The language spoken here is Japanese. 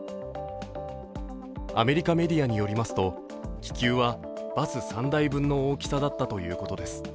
アメリカメディアによりますと気球はバス３台分の大きさだったということです。